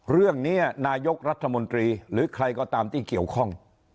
เรื่องนี้นายกรัฐมนตรีหรือใครก็ตามที่เกี่ยวข้อง